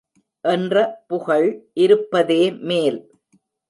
என்ற புகழ் இருப்பதே மேல்.